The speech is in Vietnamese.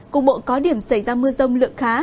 cục bộ có điểm xảy ra mưa rông lượng khá